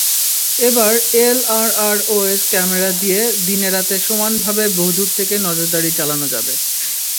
এবার LRROS camera দিয়ে দিনে-রাতে সমানভাবে বহুদূর থেকে নজরদারি চালানো যাবে।